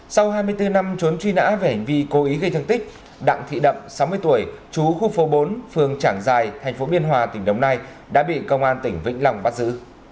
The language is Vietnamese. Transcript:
sau hai mươi bốn năm trốn truy nã về hành vi cố ý gây thương tích đặng thị đậm sáu mươi tuổi chú khu phố bốn phường trảng giài thành phố biên hòa tỉnh đồng nai đã bị công an tỉnh vĩnh long bắt giữ